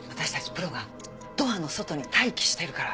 プロがドアの外に待機してるから。